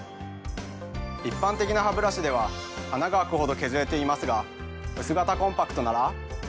一般的なハブラシでは穴が開くほど削れていますが薄型コンパクトなら。